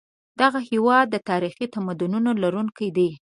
دغه هېواد د تاریخي تمدنونو لرونکی دی.